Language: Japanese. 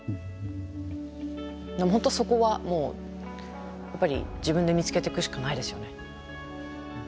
本当そこはもうやっぱり自分で見つけていくしかないですよね。